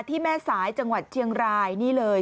แม่สายจังหวัดเชียงรายนี่เลย